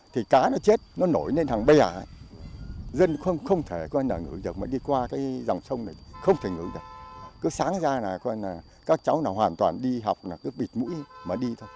trước tình trạng trên từ năm hai nghìn một mươi năm đến đầu năm hai nghìn một mươi bảy